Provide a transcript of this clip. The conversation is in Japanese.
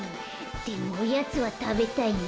でもおやつはたべたいな。